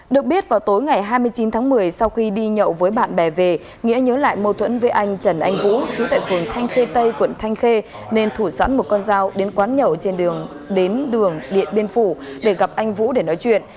được biết vào tối ngày hai mươi chín tháng một mươi sau khi đi nhậu với bạn bè về nghĩa nhớ lại mâu thuẫn với anh trần anh vũ chú tại phường thanh khê tây quận thanh khê nên thủ sẵn một con dao đến quán nhậu trên đường đến đường điện biên phủ để gặp anh vũ để nói chuyện